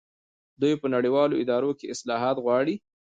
دوی په نړیوالو ادارو کې اصلاحات غواړي.